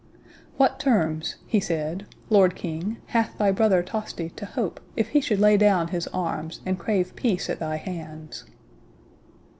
"'What terms,' he said, 'Lord King, hath thy brother Tosti to hope, if he should lay down his arms, and crave peace at thy hands?